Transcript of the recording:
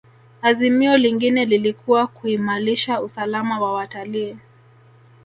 azimio lingine lilikuwa kuimalisha usalama wa watalii